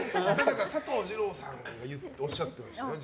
佐藤二朗さんがおっしゃってましたね。